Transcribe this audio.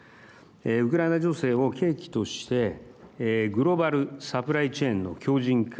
ウクライナ情勢を契機としてグローバルサプライチェーンの強じん化。